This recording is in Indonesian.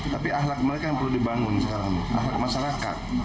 tapi ahlak mereka yang perlu dibangun sekarang ahlak masyarakat